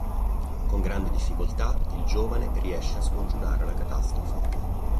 Con grande difficoltà, il giovane riesce a scongiurare la catastrofe.